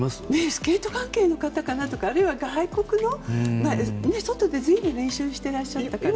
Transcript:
スケート関係の方かなとかあるいは外国の、外で随分練習してらっしゃったから。